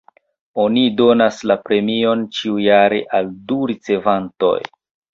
Oni donas la premion ĉiujare al du ricevantoj.